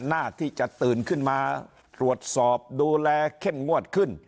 หน้าที่จะตื่นขึ้นมาตรวจสอบดูแลเข้มงวดขึ้น